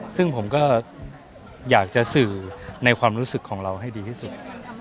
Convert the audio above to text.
ซึ่งผมก็อยากจะสื่อในความรู้สึกของเราให้ดีที่สุด